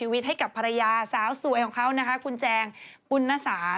วันครบรอบก็คุณได้ไหม